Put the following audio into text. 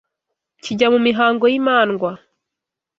kijya mu mihango y’imandwa